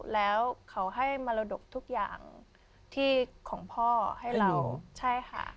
แล้วเขาให้มรดกทุกอย่างที่ของพ่อให้เราใช่ค่ะ